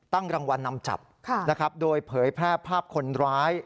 ตั้งรางวัลนำจับโดยเผยแพร่ภาพคนร้าย